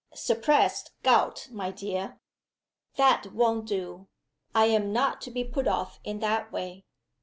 "Suppressed gout, my dear." "That won't do! I am not to be put off in that way.